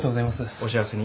お幸せに。